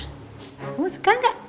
kamu suka gak